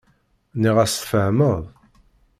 Nniɣ-as tfehmeḍ.